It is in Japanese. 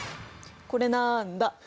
これなんだ？